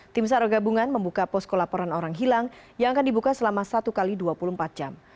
tim sarogabungan membuka posko laporan orang hilang yang akan dibuka selama satu x dua puluh empat jam